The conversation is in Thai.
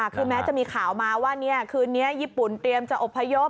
คือแม้จะมีข่าวมาว่าคืนนี้ญี่ปุ่นเตรียมจะอบพยพ